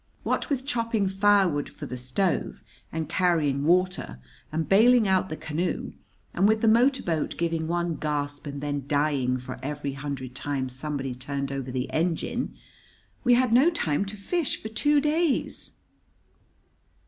What with chopping firewood for the stove, and carrying water, and bailing out the canoe, and with the motor boat giving one gasp and then dying for every hundred times somebody turned over the engine, we had no time to fish for two days.